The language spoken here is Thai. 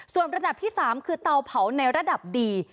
ส่วนระดับที่๓คือเตาเผาในระดับดี